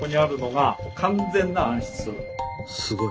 すごい。